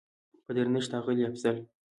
په درنښت اغلې افضل